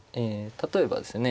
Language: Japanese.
例えばですね